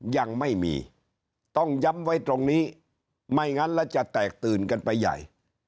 ยังไม่มีต้องย้ำไว้ตรงนี้ไม่งั้นแล้วจะแตกตื่นกันไปใหญ่